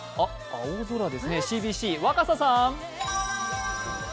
青空ですね、ＣＢＣ・若狭さん。